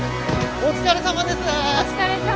お疲れさまです。